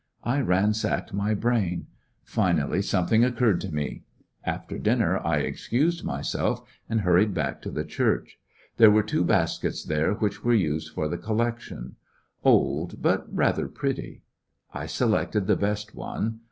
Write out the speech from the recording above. I ransacked my brain. Finally something occurred to me. After dinner I excused myself and hurried back to the church. There were two baskets there which were used for the collection old, but rather pretty. I selected the best one.